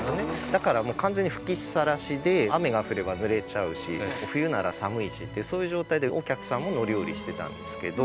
だから完全に吹きっさらしで雨が降ればぬれちゃうし冬なら寒いしってそういう状態でお客さんも乗り降りしてたんですけど